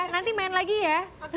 nanti main lagi ya